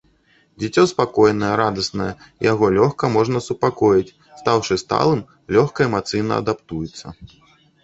Дзіцё спакойнае, радасны, яго лёгка можна супакоіць, стаўшы сталым, лёгка эмацыйна адаптуецца.